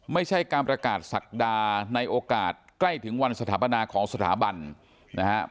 ไม่ใช่การประกาศศักดาในโอกาสใกล้ถึงวันสถาปนาของสถาบันนะครับ